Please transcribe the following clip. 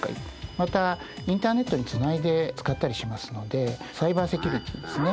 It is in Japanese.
またインターネットにつないで使ったりしますのでサイバーセキュリティーですね。